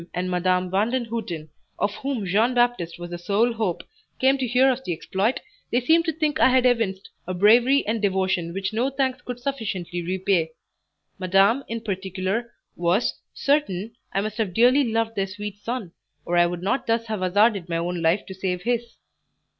and Madame Vandenhuten, of whom Jean Baptiste was the sole hope, came to hear of the exploit, they seemed to think I had evinced a bravery and devotion which no thanks could sufficiently repay. Madame, in particular, was "certain I must have dearly loved their sweet son, or I would not thus have hazarded my own life to save his."